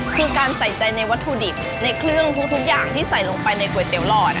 คือการใส่ใจในวัตถุดิบในเครื่องทุกอย่างที่ใส่ลงไปในก๋วยเตี๋หลอด